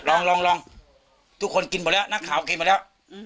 ลองลองทุกคนกินหมดแล้วนักข่าวกินหมดแล้ว